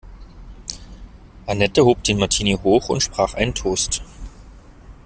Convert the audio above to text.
Annette hob den Martini hoch und sprach ein Toast.